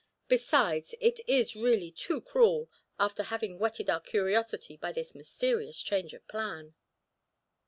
Besides, it is really too cruel, after having whetted our curiosity by this mysterious change of plan."